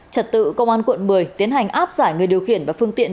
trật tự công an quận một mươi tiến hành áp giải người điều khiển và phương tiện